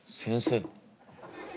先生。